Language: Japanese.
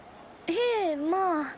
へえまあ。